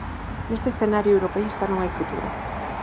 Neste escenario europeísta non hai futuro.